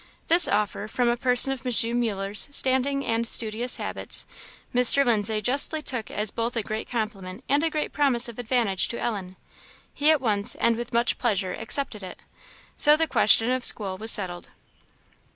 This offer, from a person of M. Muller's standing and studious habits, Mr. Lindsay justly took as both a great compliment and a great promise of advantage to Ellen. He at once and with much pleasure accepted it. So the qiestion of school was settled.